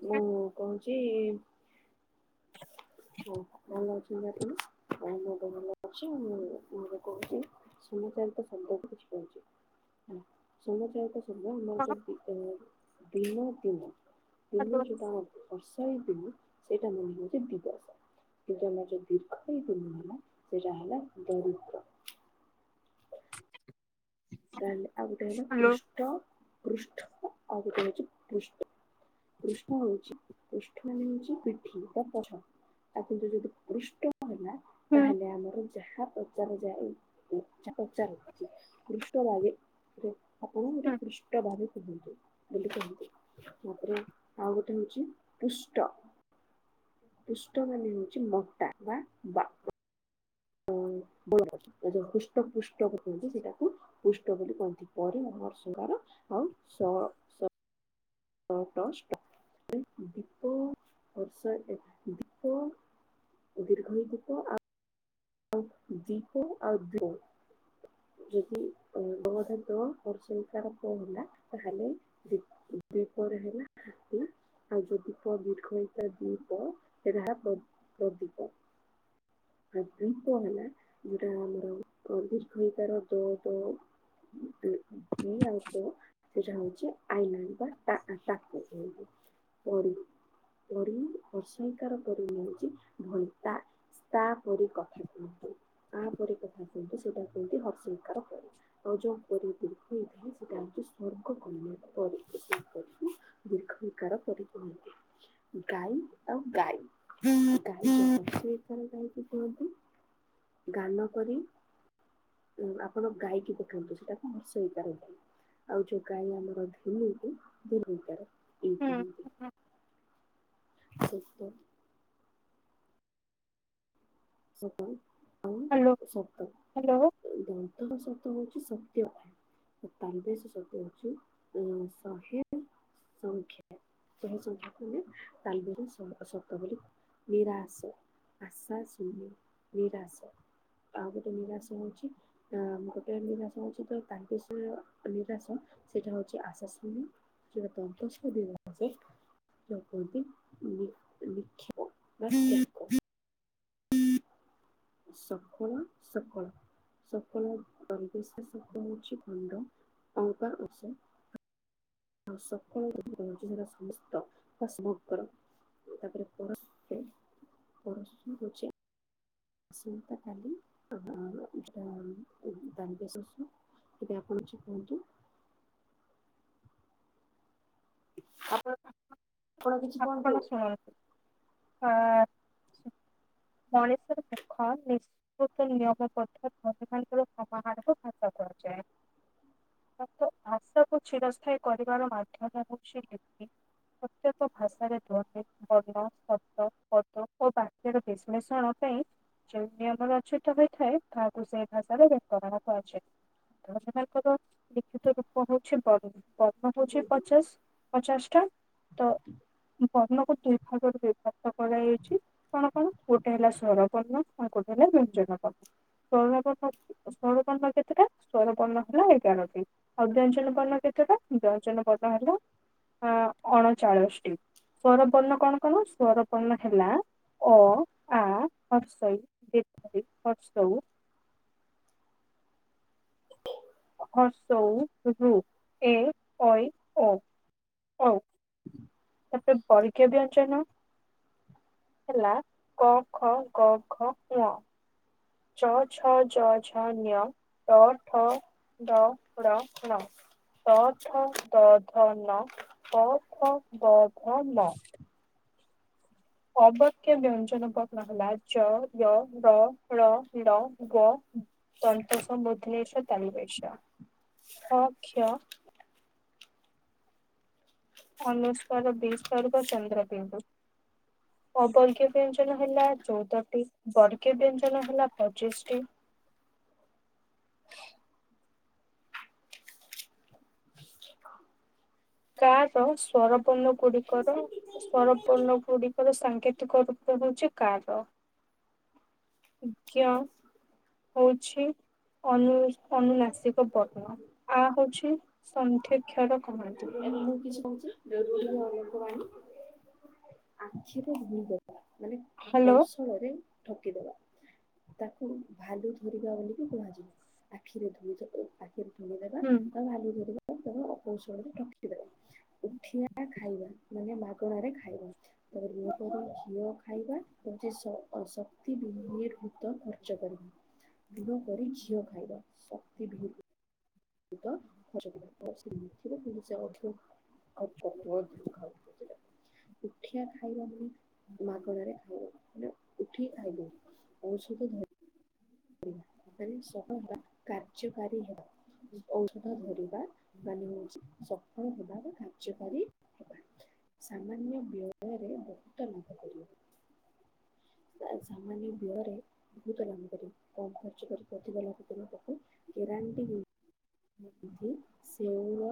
[inaudible] କି? [inaudible] ଓ ଭଲ ଅଛନ୍ତି ଦେମ ଭଲଛି ମୁଁ ମୁ ବି କହୁଛି। [unintelligible] ସମଚଳିତ ଶବ୍ଦକୁ କିଛି କହୁଛି ସମଚାରିତ ଶବ୍ଦ। [unintelligible] ସେଇଟା ମାନେ ହେଉଛି ହ୍ୟାଲୋ ଦିବସ। କିନ୍ତୁ ଆମର ଯୋଉ ଦୀର୍ଘଇ ଦୁମ ହେଲା ସେଇଟା ହେଲା ଦରିଦ୍ର। [inaudible] ତାହାଲେ ଆଉ ଗୋଟେ ହେଲା ହ୍ୟାଲୋ ପୃଷ୍ଟ ପୃଷ୍ଠ ଆଉ ଗୋଟେ ହୋଉଚି ପୃଷ୍ଟ କୃଷ୍ଣ ହୋଉଛି ପୃଷ୍ଟ। ମାନେ ହୋଉଛି ପିଠି ବା ପଛ ଆଉ କିନ୍ତ ଯଦି ପୃଷ୍ଟ ହେଲା ହୁଁ ତାହେଲେ ଆମର ଯାହା ପଚାର ଯାଏ ଉଁ ଯାହା ପଚାରୁଚି ପୃଷ୍ଟ ଭବେ ଉଁ ଆପଣ ଗୋଟେ ହୁଁ ପୃଷ୍ଟ ଭାବେ କୁହନ୍ତୁ ବୋଲି କୁହନ୍ତୁ ତାପରେ ଆଉ ଗୋଟେ ହୋଉଚି ପୁଷ୍ଟ। ପୁଷ୍ଟ ମାନୋ ହେଉଛି ମଟା ବା ବା [inaudible] [unintelligible] ଏ ଯୋଉ ହୃଷ୍ଟ ପୁଷ୍ଟ କୁହନ୍ତି ସେଟାକୁ ପୃଷ୍ଟ ବୋଲି କୁହନ୍ତି ପରେ ମୋ। [unintelligible] ଆଉ ସ ସ ସ ଟ ଷ୍ଟ। [unintelligible] ଦୀପ ବର୍ଷା ଏ ଦୀପ। ଦୀର୍ଘଇ ଦୀପ ଆଉ ଦୀପ ଆଉ। [unintelligible] ଯଦି ଅଁ ବ ଟା ଦ ହର୍ସେଇ କାର ତ ହେଲା ତାହେଲେ ଦୀ ଦୀପରେ ହେଲା ହେଲା ଆଉ ଯଦି ପ ଦୀର୍ଘଇକାର ଦୀପ ହେଲା ପ [unintelligible] ପ୍ରଦୀପ ହାଁ। ଦୀପ ହେଲା ଯୋଉଟା ଆମର ପ ଦୀର୍ଘଇ କାର ଦ ତ ଦି ଆଉ ପ ସେଇଟା ହୋଉଛି ଆଇଲାଣ୍ଡ ବା ତା ଆଁ ତାକୁ। [unintelligible] ପରୀ ହର୍ସଇକାର ପରି ହୋଉଛି। [unintelligible] [inaudible] ତାପରି କଥା କୁହନ୍ତୁ ସେଇଟା କୁହନ୍ତି ହର୍ସଇକାର ପରି ଆଉ ଯୋଉ ପରୀ ଦୀର୍ଘଇ ଥାଏ ସେଟା [unintelligible] ଦିର୍ଘଇକାର ପରୀ କହନ୍ତି। ଗାଇ ଆଉ ଗାଈ ଗାଈ ହର୍ସେଇ କାର ଗାଈ କୁ କୁହନ୍ତି। ଗାନ କରି ଉଁ ଆପଣ ଗାଇକି ଦେଖାନ୍ତୁ ସେଇଟା କଣ ହର୍ସେଇ କାର ଗାଇ ଆଉ ଯୋଉ ଗାଈ ଆମର ଧି ହେଇକି ଦୀର୍ଘଇ କାର। ହୁଁ [unintelligible] ହୁଁ ସେତ। ସତ ଆଉ ହ୍ୟାଲୋ ସତ ହ୍ୟାଲୋ [unintelligible] ସତ ହୋଉଚି। ସତ୍ୟ ତାଲବେସ ସତ୍ୟ ହୋଉଛି ଉଁ ଶହେ ସଂଖ୍ୟା। [unintelligible] ତାଲବେସ ସ ସତ ବୋଲି ନିରାଶ ଆଶା ନି ନିରାଶ। ଆଉ ଗୋଟେ ନିରାଶ ହୋଉଛି ଆ ଗୋଟେ ନିରାଶ ହୋଉଛି ତ ତାଲବେସ ନିରାଶ ସେଟ ହୋଉଛି ଆଶା ଶୂନ୍ୟ ଯୋଉ [unintelligible] ବସେ। ଯଗଦି ବି ବିକ୍ଷିପ। [unintelligible] ସକଳ ସକଳ। ସକଳ ତାଲବେସ ଶବ୍ଦ ହୋଉଚି। [unintelligible] ଆଉ ସକଳ ଅର୍ଥ ହୋଉଚି ଯୋଉରା। [unintelligible] ତାପରେ [unintelligible] ହୋଉଛି। ଆସନ୍ତା କାଲି [unintelligible] ତାଲବେସ ଶ୍। ଏବେ ଆପଣ କିଛି କୁହନ୍ତୁ। [inaudible] ଆପଣ କିଛି କୁହନ୍ତୁ ଆପଣ ଶୁଣାନ୍ତୁ ଆଁ। [inaudible] ମଣିଷର ମୂଖ ନିଶୃତ ନିୟମ ପଧତି [unintelligible] ସମାହାରକୁ ଭାଷା କୁହା ଚା। ତାଙ୍କ ଆଶାକୁ ଛିରସ୍ଥାୟୀ କରିବାର ମାଧ୍ୟମ ହଉଛି ଲିପି ପ୍ରତ୍ୟକ। ଭାଷାରେ ଧ୍ୱନି ବର୍ଣ୍ଣ ଶବ୍ଦ ପଦ ଓ ବାକ୍ୟର ବିଶ୍ଳେଷଣ ପାଇଁ ଯଉଁ ନିୟମ ରଚିତ ହୋଇଥାଏ ତାହାକୁ ସେଇ ଭାଷାରେ ବ୍ୟାକରଣ କୁହା ଯାଏ ତ ଚ୍ୟାନେଲ କର ଜଲିଖିତ ରୂପ ହଉଛି ବର୍ଣ୍ଣ ହଉଛି ପଚାଶ୍ ପଚାଶ୍ ଟା। ତ। ବର୍ଣ୍ଣକୁ ଦୁଇ ଭାଗରେ ବିଭକ୍ତ କରାଯାଇଛି କଣ କଣ ଗୋଟେ ହେଲା ଶ୍ବରବର୍ଣ୍ଣ ଆଉ ଗୋଟେ। [unintelligible] ଶ୍ବରବର୍ଣ୍ଣ ଶ୍ବରଵର୍ଣ୍ଣ କେତେଟା ଶ୍ବରବର୍ଣ୍ଣ ହେଲା ଏଗାରଟି ଅଜ୍ଞାଞ୍ଚନ ବର୍ଣ୍ଣ କେତେ ବ୍ୟଞନ ବର୍ଣ୍ଣ‌ହେଲା ହେଲା ଅଣଚାଳିଶଟି। ସୂରବର୍ଣ୍ଣ କଣ କଣ? ସୂର ବର୍ଣ୍ଣ ହେଲା। ଅ, ଆ, ଇ, ଈ, ଉ। [unintelligible] ଊ, ଋ, ଏ, ଐ, ଓ, ଔ। [inaudible] ତାପରେ ବର୍ଗୀୟ ବ୍ୟଞ୍ଜନ। ହେଲା କ, ଖ, ଗ, ଘ, ଙ। ଚ, ଛ, ଜ, ଝ, ଞ‌, ଟ, ଠ, ଡ ଳ, ଲ। ତ, ଥ, ଦ, ଧ, ନ, ପ, ଫ‌, ବ, ଭ, ମ। ଅବକ୍ୟ ବ୍ୟଞ୍ଜନ ବର୍ଣ୍ଣ ହେଲା ଯ, ୟ, ର, ଳ, ବ। ସ, ଷ ଶ, ହ, କ୍ଷ। ଁ, ଃ, ୰। ଅବର୍ଗ୍ୟ ବ୍ୟଞ୍ଜନ ହେଲା ଚଉଦଟି ବର୍ଗୀୟ ବ୍ୟଞ୍ଜନ ହେଲା ପଚିଶଟି। [unintelligible] ଗାଁ ର ସବରପଣ ଗୁଡିକର ସବରପଣ ଗୁଡିକ ସାଙ୍କେତିକ ରୂପ ହଉଛି କାର ବିଜ୍ଞ। ହଉଛି। ଅନ ଅନୁନାସିକ ବର୍ଣ୍ଣ ଆ ହଉଛି ସଂଖକ୍ଷର କହାଣୀ। ଏ ମୁଁ କିଛି କହୁଛି ର ଅ ଲୋକ ବାଣୀ ଆଖି ତ ମାନେ ହ୍ୟାଲୋ କୌଶଳରେ ଠକିଦବା। ତାକୁ ଭାଲୁ ଧରିବା ବୋଲିକି କୁହାଯିବ ଆଖିରେ ଧୋଇଛ ଆଖି ଧଳିଦବା ହୁଁ ବା ଭାଲ ଧ ଅକୌଶଳରେ ଉଠିଆ ଖାଇବା ମାନେ ମାଗଣାରେ ଖାଇବା। ତର୍ମ କରରୁ ଘିଅ ଖାଇବା ହଉଛି ତ ଖର୍ଚ୍ଚ କରିବ। ଦୂର କରି ଘିଅ ଖାଇବା ଶକ୍ତି ଭ [unintelligible] ଆଉ ପବ ଧା ଉଠିଆ ଖାଇବା [unintelligible] ମାଗଣାରେ ମେ ଉଠି ଆଇବୁ ଔଷଧ ଆ ସପ କାର୍ଯ୍ୟକାରୀ ହେ ଔଷଧ ଧରିବା ମାନେ ହଉଛି ଶକ୍ତି। ହେବାର କାର୍ଯ୍ୟକାରୀ ହେବା ସାମାନ୍ୟ ବ୍ୟୟରେ ବହୁତ ସାମାନ୍ୟ ବେୟରେ ବହୁତ ଆରମ୍ଭ କରିବ। କମ୍ ଖର୍ଚ୍ଚ କରି ଅଧିକ ଲୋକ ଜ ପାଖ ଗ୍ୟାରେଣ୍ଟି ହୋଇ। ଧି ସେଉର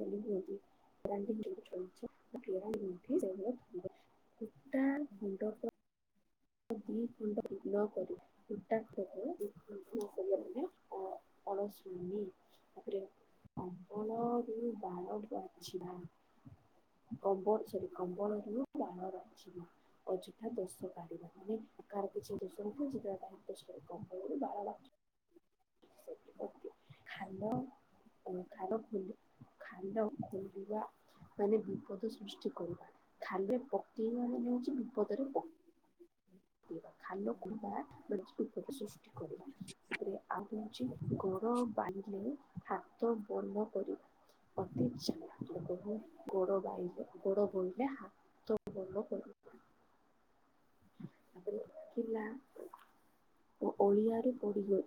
ଧରିବଧ [unintelligible] ଉଟା ସୁନ୍ଦର୍କ। ହଁ। ଏ ଖଣ୍ଡ ବିଗ୍ନ କରି ହଟା ଖିଲ ମାନେ ଅ ଥ ଅଳସ ତାପରେ କପଣରୁ ବାଳ ବାଛିିବା। କବଳ ସରି କମ୍ବଳରୁ ବାଣ ରିବ ଅଯଥାା ଦୋଷ କାଢିବା। କା କିଛି ଶୁୁ ଯୋ ତା କ ବୋଲି [unintelligible] [unintelligible] ଖାଦ ଖା ଫ ଖାଦ ମାନେ ବିପଦ ସୃଷ୍ଟି କରିବା। ଖାଲେ ପକେଇବା ନେଉଛି ବିପଦରେ ପକେଇ ଖାଲ କବା ପ୍ରତିପଦ ସୃଷ୍ଟି କରିବା। ରେ ଆଉଛି ଗୋଡ଼ ବାହାରିଲ ହାତ ବମ କରି ଅତି ବହୁତ ଗୋଡ ବାଇଲେ ଗୋଡ ବିଲେ ହାତ ସବୁ ବଡ ଆ ଓଡିଆରୁ ପଡ଼ି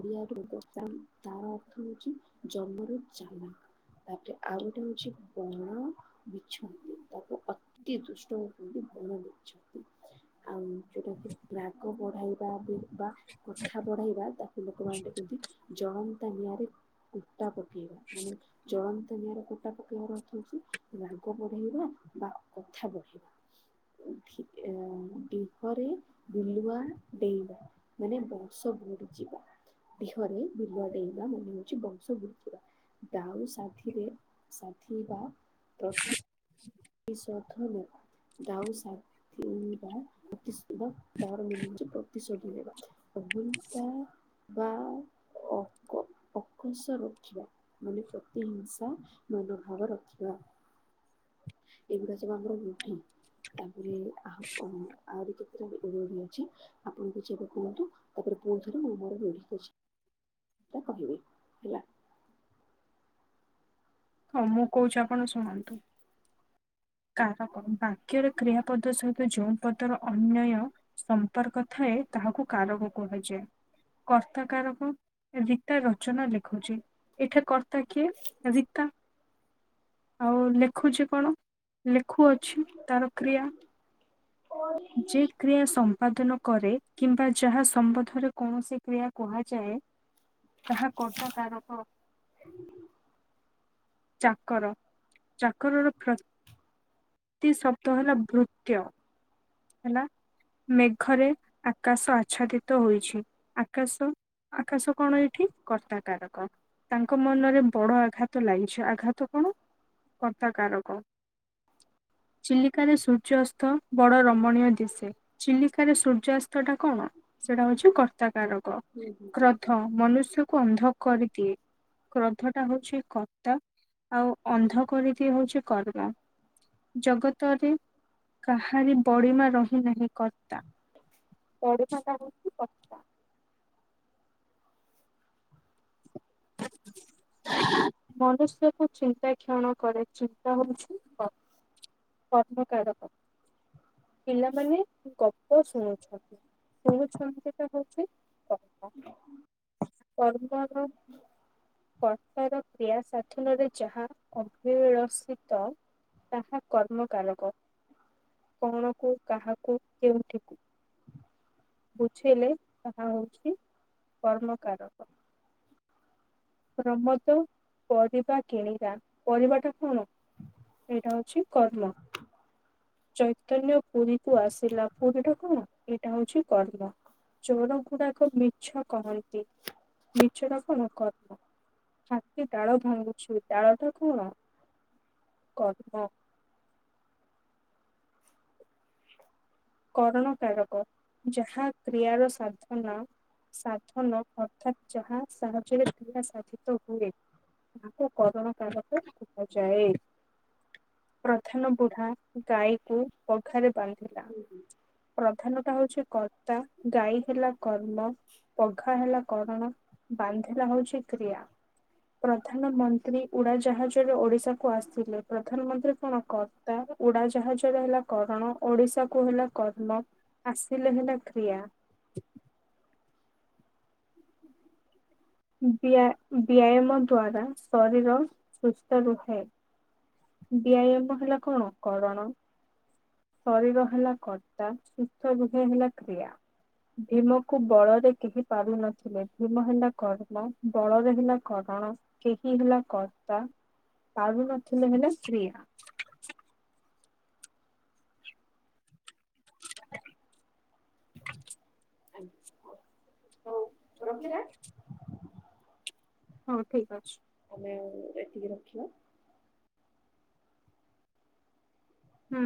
ଓଡ଼ିଆରୁ ବର୍ଷା ତାର ଅର୍ଥ ହେଉଛି ଜନ୍ମରୁ ତାପରେ ଆଉ ଗୋଟେ ହଉଛି ବଣ ବିଛନ୍ତି ତାକୁ ଅତି ଦୁଷ୍ଟ ହଉଛନ୍ତି ମ ଦେଇଛନ୍ତି ଆଉ ଯେଉଁଟାକୁ ରାଗ ବଢ଼ାଇବା ବି ବା କଥା ବଢେଇବା ତାକୁ ଲୋକମାନେ ଟେ କନ୍ତି ଜଳନ୍ତ ନିଆଁରେ କୁଟା ପକେଇବା ମାନେ ଜଳନ୍ତ ନିଆଁରେ କ ଟା ପକେଇବ ର ଅର୍ଥ ହାଉଚି ରାଗ ବଢେଇବା ବା କଥା ବଢେଇବା। ଦେହରେ ବିଲୁଆ ଡେଇବା ମାନେ ବର୍ଷ ବା ଦେହରେ ବୁଲ ଦେଇବା ମନେ ହଉଛି ବଂଶ ବୁଯିବା। ଦାଉ ସାଥିରେ ସାଧ ବା ପ୍ରତି ଏ ସଥଲେ ଦାଉ ସାଧିବା। ପ୍ରତିଶୋଧ ନେବା। ଘଣ୍ତା ବା ଅ ଅକଷ ରଖିବା ମାନେ ପ୍ରତି ହିଂସା ମନୋଭାବ ରଖିବା। [inaudible] ଏଗୁଡା ସବୁ ଆମର ରୂଢି ତାପରେ ଆ ଆହୁରି କେତେଟା ରୂଢି ଅଛି ଆପଣ ବ ଯିବା କୁହନ୍ତୁ ତାପରେ ପୁଣି ଥରେ ମୁଁ ମୋର ରୋଢ଼ କହିବି ହେଲା। ହଁ ମୁଁ କହୁଛି ଆପଣ ଶୁଣନ୍ତୁ। କାରକ ବାକ୍ୟରେ କ୍ରିୟା ପଦ ସହିତ ଯୋଉ ପଦର ଅନ୍ୟୟ ସମ୍ପର୍କ ଥାଏ ତାହାକୁ କାରକ କୁହାଯାଏ କର୍ତ୍ତା କାରକ ରୀତା ରଚନା ଲେଖୁଛି ଏଠା କର୍ତ୍ତା କିଏ ରୀତା। ଆଉ ଲେଖୁଛି କଣ ଲେଖୁଅଛି ତାର କ୍ରିୟା। ଯେ କ୍ରିୟା ସମ୍ପାଦନ କରେ କିମ୍ବା ଯାହା ସମ୍ବନ୍ଧରେ କୌଣସି କ୍ରିୟା କୁହାଯାଏ। ତାହା କର୍ତ୍ତା କାରକ ଚାକର ଚାକରର ଶବ୍ଦ ହେଲା ଭୃତ୍ୟ ହେଲା। ମେଘରେ ଆକାଶ ଆଚ୍ଛାଦିତ ହୋଇଛି ଆକାଶ ଆକାଶ କଣ ଏଇଠି କର୍ତ୍ତାକାରକ ତାଙ୍କ ମନରେ ବଡ ଆଘାତ ଲାଗିଛି ଆଘାତ କଣ କର୍ତ୍ତା କାରକ। ଚିଲିକାରେ ସୂର୍ଯସ୍ତ ବଡ ର ଶମଣୀୟ ଦିଶେ ଚିଲିକାରେ ସୂର୍ଯ୍ୟାସ୍ତ ଟା କଣ ସେଇଟା ହଉଛି କର୍ତ୍ତାକାରକ। ହୁଁ ହୁଁ ହୁଁ କ୍ରୋଧ ମନୁଷ୍ୟକୁ ଅନ୍ଧ କରିଦିଏ। କ୍ରୋଧ ଟା ହଉଛି କତ୍ତା ଆଉ ଅନ୍ଧ କରିଦିଏ ହଉଛି କର୍ମ। ଜଗତରେ କାହାରି ବଡ଼ିମା ରହି ନାହିଁ କର୍ତ୍ତା। ପଢୁ ଫାକା ହଉଛି କଚା। ମନୁଷ୍ୟ କୁ ଚିନ୍ତା କ୍ଷଣ କରେ ଚିନ୍ତା ହଉଛି ପଦ୍ମକାରକ। ପିଲାମାନେ ଗପ ଶୁଣୁଛନ୍ତି ଶୁଣୁଛନ୍ତିଟା ହଉଛି ପ [unintelligible] ବର୍ଷା ରେ କ୍ରିୟା ସାଧନରେ ଯାହା ଅଗିଳସିତ ତାହା କର୍ମକାରକ। କଣକୁ କାହାକୁ କେଉଁଠିକୁ ବୁଝେଇଲେ ତାହା ହେଉଛି କର୍ମକାରକ। ପ୍ରମୋଦ ପରିବା କିଣିଲା ପରିବା ଟା କଣ? ଏଇଟା ହଉଛି କର୍ମ। ଚୈତନ୍ୟ ପୁରୀକୁ ଆସିଲା ପୁରୀଟା କଣ ଏଇଟା ହଉଛି କର୍ମ। ଚୋର ଗୁଡାକ ମିଛ କହନ୍ତି ମିଛର କଣ କର୍ମ। ହାତୀ ଡାଳ ଭାଙ୍ଗୁଛି ଡାଳ ଟା କଣ? କର୍ମ। କରଣକାରକ ଯାହା କ୍ରିୟାର ସାଧନ ସାଧନ ଅର୍ଥାତ୍ ଯାହା ସାହାଯ୍ୟରେ କ୍ରିୟା ସାଧିତ ହୁଏ। ତାକୁ କରଣ କାରକ କୁହାଯାଏ। ପ୍ରଧାନ ବୁଢା ଗାଈକୁ ପଘାରେ ବାନ୍ଧିଲା। ଏଇଟା ହଉଛି କର୍ତ୍ତା ଗାଈ ହେଲା କର୍ମ ପଘା ହେଲା କରଣ ବାନ୍ଧିଲା ହଉଛି କ୍ରିୟା। ପ୍ରଧାନମନ୍ତ୍ରୀ ଉଡାଜାହାଜରେ ଓଡିଶା କୁ ଆସିଲେ ପ୍ରଧାନମନ୍ତ୍ରୀ କଣ କର୍ତ୍ତା। ଉଡାଜାହାଜ ହେଲା କରଣ ଓଡିଶା କୁ ହେଲା କର୍ମ ଆସିଲେ ହେଲା କ୍ରିୟା। ! ! ! ! ! ! ! ! ! ! ବ୍ୟାୟାମ ହେଲା କଣ କରଣ ଶରୀର ହେଲା କର୍ତ୍ତା ସୁସ୍ଥ ହୃହୟ ହେଲା କ୍ରିୟା। ଭୀମକୁ ବଳରେ କେହି ପାରୁନଥିଲେ ଭୀମ ହେଲା କଣ? ବଳରେ ହେଲା କରଣ କେହି ହେଲା କର୍ତ୍ତା ପାରୁନଥିଲେ ହେଲା କ୍ରିୟା। ହଉ ରଖିିବା। ହଁ ଠିକ ଅଛି। ଆମେ ଏତିକି ରଖିବା। ହୁଁ।